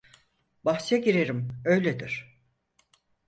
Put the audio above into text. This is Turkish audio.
Bahse girerim öyledir.